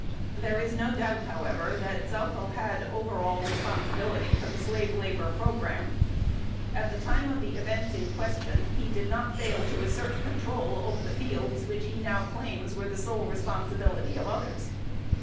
There is no doubt, however, that Sauckel had over all responsibility for the slave labor program. At the time of the events in question he did not fail to assert control over the fields which he now claims were the sole responsibility of others.